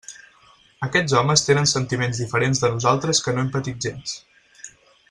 Aquests homes tenen sentiments diferents de nosaltres que no hem patit gens.